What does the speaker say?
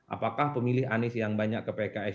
apakah pemilih anies yang banyak ke pks